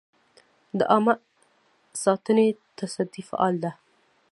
د عامه ساتنې تصدۍ فعال ده؟